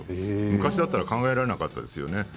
昔だったら考えられなかったですよね。